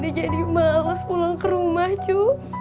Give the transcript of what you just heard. dia jadi males pulang ke rumah cu